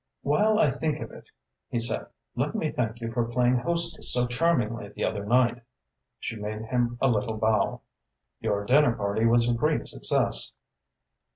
"While I think of it," he said, "let me thank you for playing hostess so charmingly the other night." She made him a little bow. "Your dinner party was a great success."